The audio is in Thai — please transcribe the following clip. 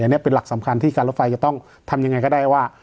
อันนี้เป็นหลักสำคัญที่การรถไฟจะต้องทำยังไงก็ได้ว่า